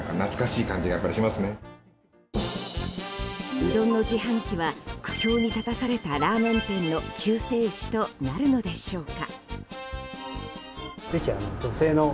うどんの自販機は苦境に立たされたラーメン店の救世主となるのでしょうか。